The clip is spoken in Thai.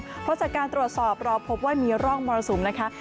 เพราะจากการตรวจสอบเราพบว่ามีร่องมรสุมนะคะ